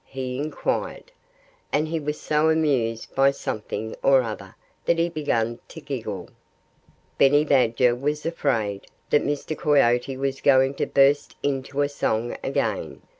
he inquired. And he was so amused by something or other that he began to giggle. Benny Badger was afraid that Mr. Coyote was going to burst into song again.